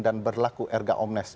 dan berlaku erga omnes